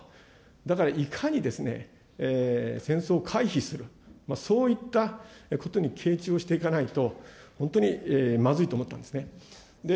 だからいかに戦争を回避する、そういったことに傾注していかないと、本当にまずいと思ったんですね。